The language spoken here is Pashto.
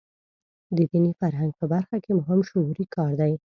د دیني فرهنګ په برخه کې مهم شعوري کار دی.